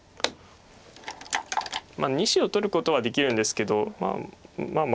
２子を取ることはできるんですけどまあ